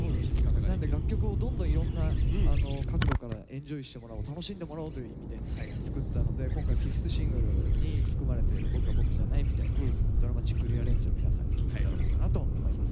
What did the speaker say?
なんで楽曲をどんどんいろんな角度からエンジョイしてもらおう楽しんでもらおうという意味で作ったので今回５ｔｈシングルに含まれてる「僕が僕じゃないみたいだ」を皆さんに聴いて頂こうかなと思います。